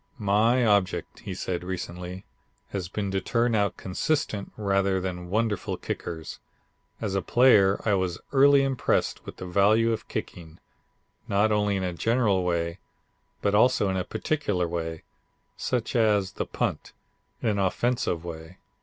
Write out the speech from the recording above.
"My object," he said recently, "has been to turn out consistent rather than wonderful kickers. As a player I was early impressed with the value of kicking, not only in a general way but also in a particular way, such as the punt in an offensive way.